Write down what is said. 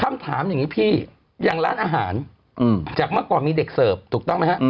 คำถามอย่างนี้พี่อย่างร้านอาหารจากเมื่อก่อนมีเด็กเสิร์ฟถูกต้องไหมฮะ